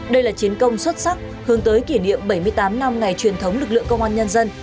đây là chiến công xuất sắc hướng tới kỷ niệm bảy mươi tám năm ngày truyền thống lực lượng công an nhân dân